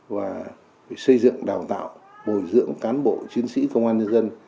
và xây dựng đào tạo bồi dưỡng cán bộ chiến sĩ công an nhân dân